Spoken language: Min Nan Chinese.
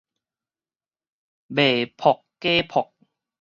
未博假博